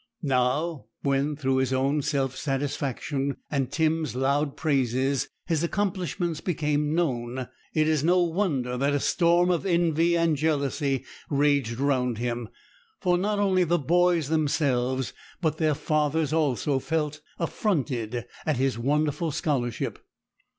Now, when, through his own self satisfaction and Tim's loud praises, his accomplishments became known, it is no wonder that a storm of envy and jealousy raged round him; for not only the boys themselves, but their fathers also, felt affronted at his wonderful scholarship.